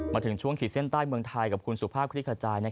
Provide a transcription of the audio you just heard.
มาถึงช่วงขีดเส้นใต้เมืองไทยกับคุณสุภาพคลิกขจาย